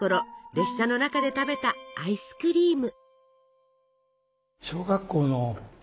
列車の中で食べたアイスクリーム。